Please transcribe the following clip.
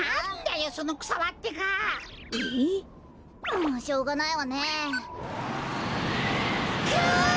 もうしょうがないわねえ。くっ！